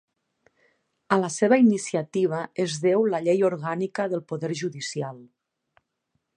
A la seva iniciativa es deu la Llei Orgànica del Poder Judicial.